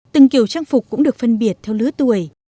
từng kiểu trang phục cũng được phân biệt theo lứa tuổi